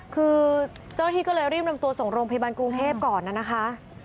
คือเจ้าหน้าที่ก็เลยรีบนำตัวส่งโรงพยาบาลกรุงเทพก่อนนะคะ